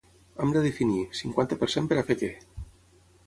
Hem de definir: cinquanta per cent per a fer què?